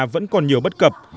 vẫn còn nhiều bất cập